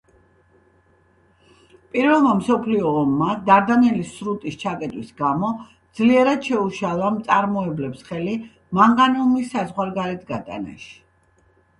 პირველმა მსოფლიო ომმა, დარდანელის სრუტის ჩაკეტვის გამო, ძლიერ შეუშალა მწარმოებლებს ხელი მანგანუმის საზღვარგარეთ გატანაში.